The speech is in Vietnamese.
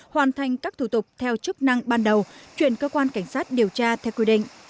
hoàn thành các thủ tục theo chức năng ban đầu chuyển cơ quan cảnh sát điều tra theo quy định